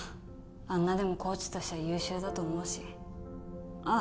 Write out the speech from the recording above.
あんなでもコーチとしては優秀だと思うしああ